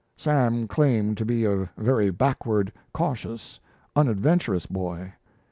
Sam claimed to be a very backward, cautious, unadventurous boy.